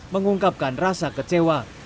mengungkapkan rasa kecewa